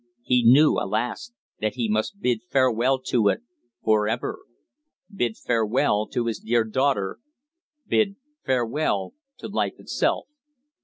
He knew, alas! that he must bid farewell to it for ever, bid farewell to his dear daughter bid farewell to life itself.